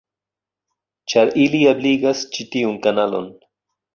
Ĉar ili ebligas ĉi tiun kanalon.